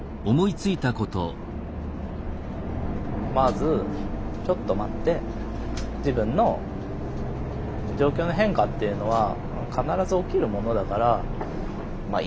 まずちょっと待って自分の状況の変化っていうのは必ず起きるものだからまあ